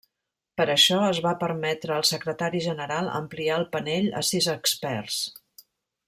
Per això, es va permetre al Secretari General ampliar el panell a sis experts.